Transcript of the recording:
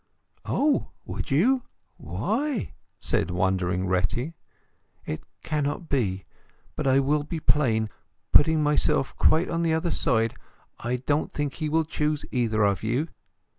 "Oh! would you? Why?" said wondering Retty. "It cannot be! But I will be plain. Putting myself quite on one side, I don't think he will choose either of you."